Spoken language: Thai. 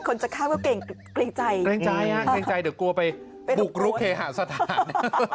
คนจะข้ามก็เกรงใจเดี๋ยวกลัวไปบุกรุกเคหาสถาน